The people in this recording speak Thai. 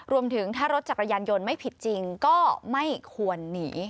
รวมถึงถ้ารถจักรยานยนต์ไม่ผิดจริงก็ไม่ควรหนี